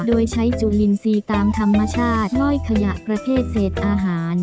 โดยใช้จุลินทรีย์ตามธรรมชาติล่อยขยะประเภทเศษอาหาร